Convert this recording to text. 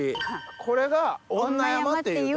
これが女山っていうとこ。